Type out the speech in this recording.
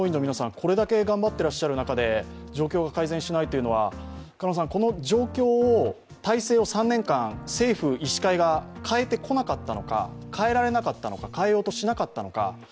これだけ頑張っていらっしゃる中で、状況が改善しないというのはこの状況を、体制を３年間、政府・医師会が変えてこなかったのか、変えられなかったのか、変えようとしなかったのか。